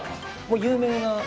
もう有名。